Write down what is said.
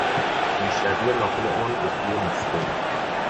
پیشروی ناپلئون بهسوی مسکو